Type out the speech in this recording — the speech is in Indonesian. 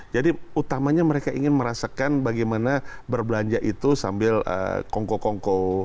jadi utamanya mereka ingin merasakan bagaimana berbelanja itu sambil kongko kongko